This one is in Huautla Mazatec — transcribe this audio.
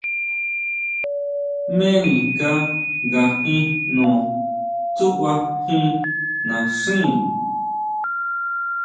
¿Jméni nga ngajin jno tsuʼbajín naxín?